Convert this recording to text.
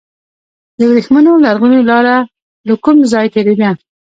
د وریښمو لرغونې لاره له کوم ځای تیریده؟